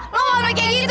lo ga boleh kayak gitu